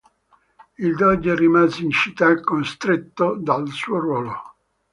Il doge rimase in città costretto dal suo ruolo.